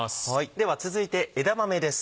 では続いて枝豆です。